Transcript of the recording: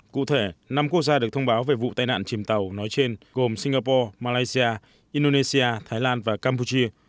cụ thể năm quốc gia được thông báo về vụ tai nạn chìm tàu nói trên gồm singapore malaysia indonesia thái lan và campuchia